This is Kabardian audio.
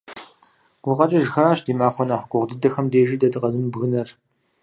ГукъэкӀыжхэращ ди махуэ нэхъ гугъу дыдэхэм дежи дэ дыкъэзымыбгынэр.